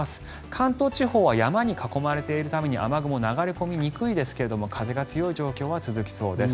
関東地方は山に囲まれているために雨雲流れ込みにくいですけれども風が強い状況は続きそうです。